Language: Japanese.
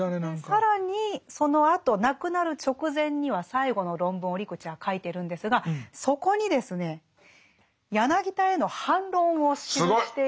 更にそのあと亡くなる直前には最後の論文を折口は書いてるんですがそこにですね柳田への反論を記しているんですね。